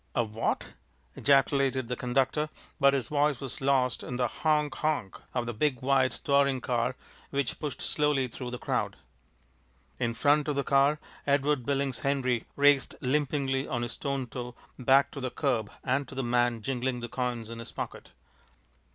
"A what?" ejaculated the conductor; but his voice was lost in the honk! honk! of a big white touring car which pushed slowly through the crowd. In front of the car Edward Billings Henry raced limpingly on his stone toe back to the curb and to the man jingling the coins in his pocket.